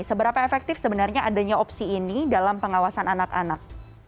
seberapa efektif sebenarnya adanya opsi ini dalam pengawasan anak anak